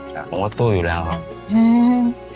ผมว่าต้องสู้อยู่แล้วครับ